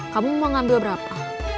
kamu mau ngambil berapa